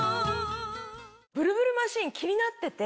ブルブルマシン気になってて。